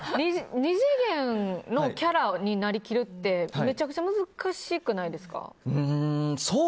２次元のキャラになりきるってめちゃくちゃ難しくないですか？